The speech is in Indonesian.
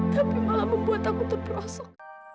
tapi malah membuat aku terperosok